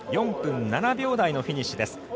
４分７秒台のフィニッシュです。